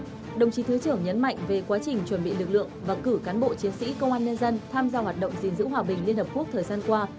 trong thời quá trình chuẩn bị lực lượng và cử cán bộ chiến sĩ công an nhân dân tham gia hoạt động diễn dữ hòa bình liên hợp quốc thời gian qua